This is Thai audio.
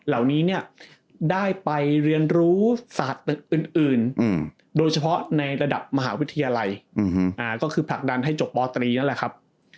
และได้ไปเรียนรู้สนักตนิดอื่นโดยเฉพาะในระดับมหาวิทยาลัยก็คือผลักดันให้เจาะปอตรีนั่วแหละครับ